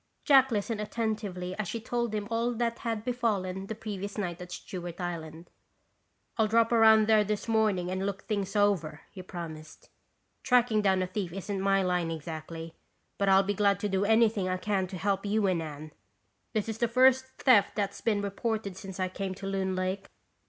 Jack listened attentively as she told him all that had befallen the previous night at Stewart Island. "I'll drop around there this morning and look things over," he promised. "Tracking down a thief isn't my line exactly, but I'll be glad to do anything I can to help you and Anne. This is the first theft that's been reported since I came to Loon Lake."